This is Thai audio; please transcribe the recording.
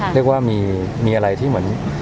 เรียกว่ามีอะไรที่เหมือน